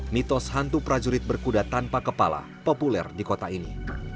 mitos hantu prajurit berkuda tanpa kepala populer di kota ini